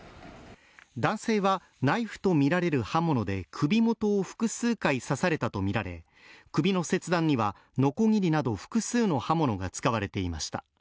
男性はナイフと見られる刃物で首元を複数回刺されたとみられ首の切断にはのこぎりなど複数の刃物が使われていました。